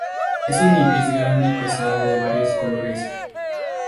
Es un ibis grande y pesado de varios colores.